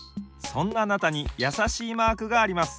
そんなあなたにやさしいマークがあります。